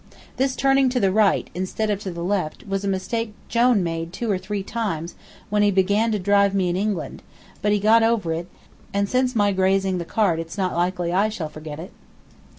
This turning to the right, instead of to the left, was a mistake Jone made two or three times when he began to drive me in England, but he got over it, and since my grazing the cart it's not likely I shall forget it.